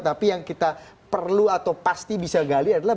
tapi yang kita perlu atau pasti bisa gali adalah